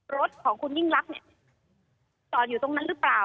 รถของคุณยิ่งลักษณ์เนี่ยจอดอยู่ตรงนั้นหรือเปล่า